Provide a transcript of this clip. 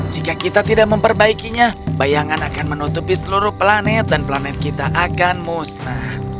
jika kita tidak memperbaikinya bayangan akan menutupi seluruh planet dan planet kita akan musnah